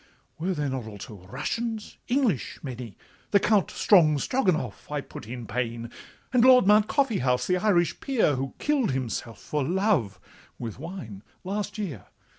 Were there not also Russians, English, many? The Count Strongstroganoff I put in pain, And Lord Mount Coffeehouse, the Irish peer, Who kill'd himself for love (with wine) last year.